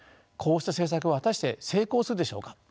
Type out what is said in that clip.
こうした政策は果たして成功するでしょうか。